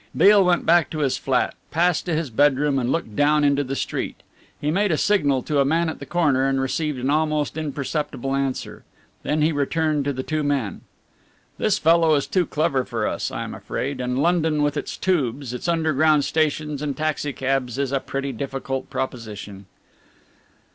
Beale went back to his flat, passed to his bedroom and looked down into the street. He made a signal to a man at the corner and received an almost imperceptible answer. Then he returned to the two men. "This fellow is too clever for us, I am afraid, and London with its tubes, its underground stations and taxi cabs is a pretty difficult proposition."